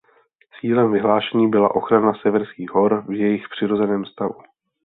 Cílem vyhlášení byla ochrana severských hor v jejich přirozeném stavu.